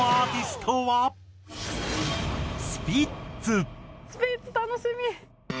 「スピッツ楽しみ！」